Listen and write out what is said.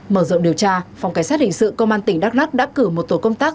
mở rộng điều tra phòng cảnh sát hình sự công an tỉnh đắk lắc đã cử một tổ công tác